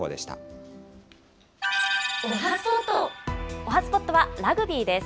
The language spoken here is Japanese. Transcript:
おはＳＰＯＴはラグビーです。